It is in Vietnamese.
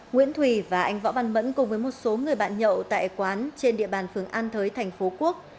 nguyễn thùy và anh võ văn mẫn cùng với một số người bạn nhậu tại quán trên địa bàn phường an thới thành phố quốc